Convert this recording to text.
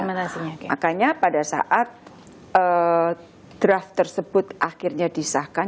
makanya pada saat draft tersebut akhirnya disahkan